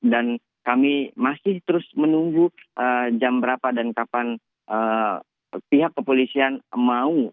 dan kami masih terus menunggu jam berapa dan kapan pihak kepolisian mau